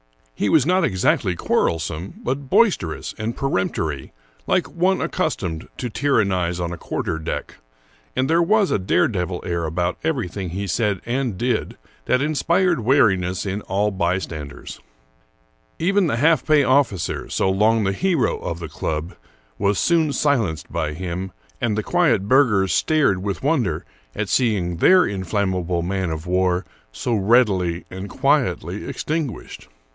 He was not exactly quarrelsome, but boisterous and peremptory, like one accustomed to tyrannize on a quar ter deck ; and there was a dare devil ^ air about everything he said and did that inspired wariness in all bystanders. Even the half pay officer, so long the hero of the club, was * A mixture of rum and hot water sweetened. » Triangular. ' Reckless. 182 Washington Irving soon silenced by him, and the quiet burghers stared with wonder at seeing their inflammable man of war so readily and quietly extinguished.